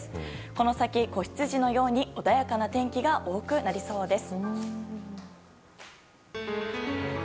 この先、子羊のように穏やかな天気が多くなりそうです。